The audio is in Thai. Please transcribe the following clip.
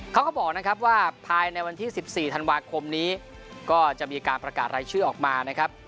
เขาก็บอกนะครับว่าภายในวันที่๑๔ธันวาคมนี้ก็จะมีการประกาศรายชื่อออกมานะครับ